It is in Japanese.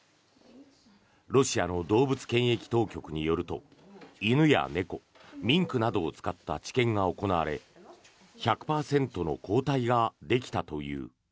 ロシアの動物検疫当局によると犬や猫、ミンクなどを使った治験が行われ１００％の抗体ができたという。